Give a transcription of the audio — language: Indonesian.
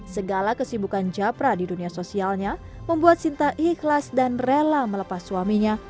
segala kesibukan japra di dunia sosialnya membuat sinta ikhlas dan rela melepas suaminya